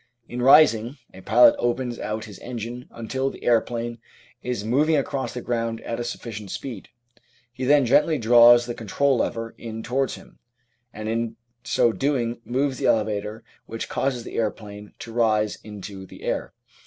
In rising, a pilot opens out his engine until the aeroplane is moving across the ground at a sufficient speed ; he then gently draws the control lever in towards him, and in so doing moves the elevator which causes the aeroplane to rise into the air.